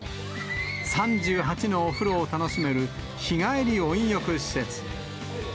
３８のお風呂を楽しめる日帰り温浴施設。